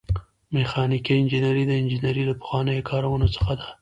میخانیکي انجنیری د انجنیری له پخوانیو کارونو څخه ده.